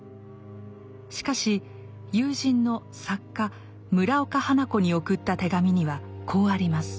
しかし友人の作家村岡花子に送った手紙にはこうあります。